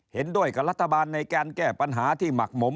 เห็นด้วยกับรัฐบาลในการแก้ปัญหาที่หมักหมม